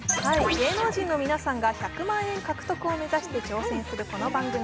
芸能人の皆さんが１００万円獲得を目指すこの番組。